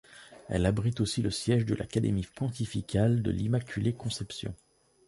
Elle abrite aussi le siège de l'Académie pontificale de l'Immaculée Conception.